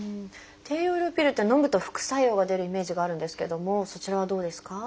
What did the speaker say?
低用量ピルってのむと副作用が出るイメージがあるんですけどもそちらはどうですか？